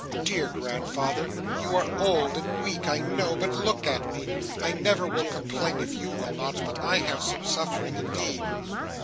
Dear grandfather, you are old and weak, I know; but look at me. I never will complain if you will not, but I have some suffering indeed.